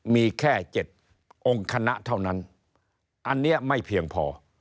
มีแค่๗องค์คณะเท่านั้นอันนี้ไม่เพียงพอ